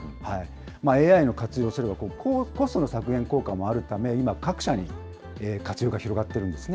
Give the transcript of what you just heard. ＡＩを活用すれば、コストの削減効果もあるため、今、各社に活用が広がっているんですね。